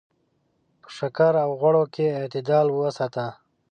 په شکر او غوړو کې اعتدال وساته.